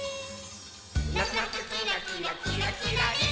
「なつなつキラキラキラキラリン！」